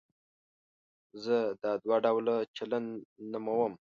زه دا دوه ډوله چلند نوموم.